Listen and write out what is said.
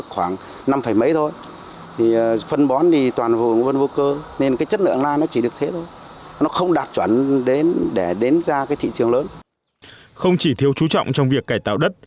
không chỉ thiếu chú trọng trong việc cải tạo đất